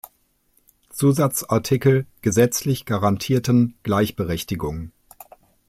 Zusatzartikel gesetzlich garantierten Gleichberechtigung.